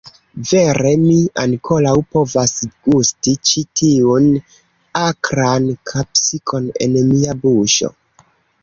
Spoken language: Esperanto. Vere mi ankoraŭ povas gusti ĉi tiun... akran kapsikon en mia buŝo.